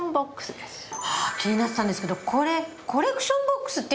あ気になってたんですけどこれコレクションボックスっていうんですか。